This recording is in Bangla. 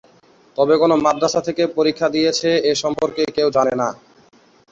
তবে কোন মাদ্রাসা থেকে পরীক্ষা দিয়েছে এ সম্পর্কে কেউ জানে না।